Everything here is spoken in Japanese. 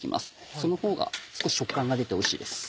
そのほうが少し食感が出ておいしいです。